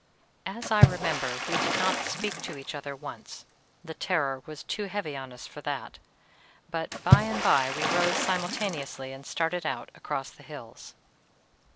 "As I remember, we did not speak to each other once: the terror was too heavy on us for that, but by and by we rose simultaneously and started out across the hills.